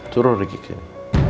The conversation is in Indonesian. suruh riki kesini